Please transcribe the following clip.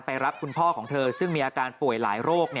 รับคุณพ่อของเธอซึ่งมีอาการป่วยหลายโรค